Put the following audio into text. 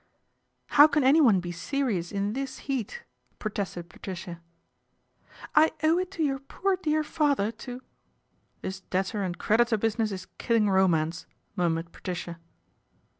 " How can anyone be serious in this heat ?" protested Patricia. " I owe it to your poor dear father to "" This debtor and creditor business is killing romance," murmured Patricia.